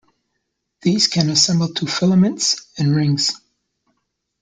These can assemble to filaments and rings.